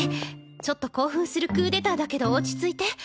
ちょっと興奮するクーデターだけど落ち着いて。